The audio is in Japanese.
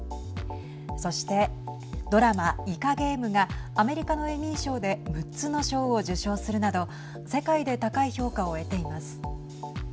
そしてドラマ、イカゲームがアメリカのエミー賞で６つの賞を受賞するなど世界で高い評価を得ています。